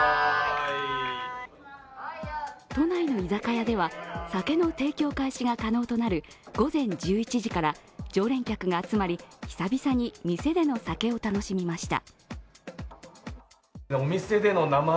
都内の居酒屋では酒の提供開始が可能となる午前１１時から常連客が集まり、久々に店での酒を楽しみました。